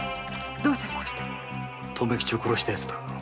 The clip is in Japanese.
留吉を殺したヤツだ。